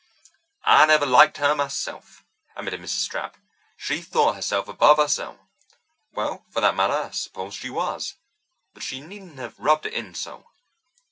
"I never liked her myself," admitted Mrs. Stapp. "She thought herself above us all. Well, for that matter I suppose she was—but she needn't have rubbed it in so."